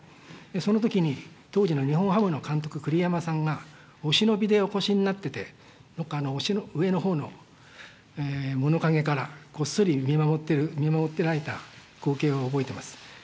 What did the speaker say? そのときに、当時の日本ハムの監督、栗山さんがお忍びでお越しになってて、どっか上のほうの物陰からこっそり見守ってる、見守ってられた光景を覚えています。